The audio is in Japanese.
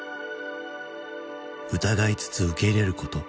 疑いつつ受け入れること。